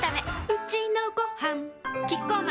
うちのごはんキッコーマン